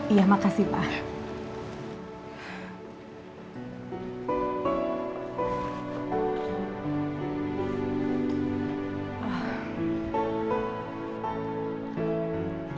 iya makasih pak